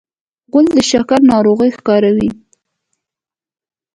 غول د شکر ناروغي ښکاروي.